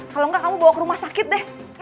kalo gak kamu bawa ke rumah sakit deh